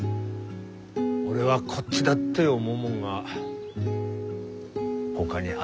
俺はこっちだって思うもんがほかにあった。